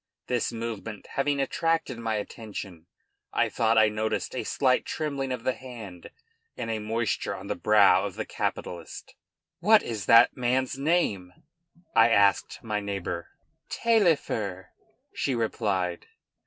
This movement having attracted my attention, I thought I noticed a slight trembling of the hand and a moisture on the brow of the capitalist. "What is that man's name?" I asked my neighbor. "Taillefer," she replied.